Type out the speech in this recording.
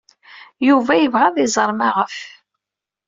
Yuba yebɣa ad iẓer maɣef.